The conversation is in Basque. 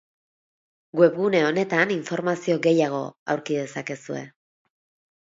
Webgune honetan informazio gehiago aurki dezakezue.